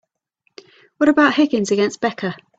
What about Higgins against Becca?